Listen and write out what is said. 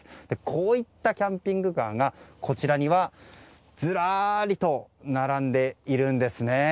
こういったキャンピングカーがこちらにはずらりと並んでいるんですね。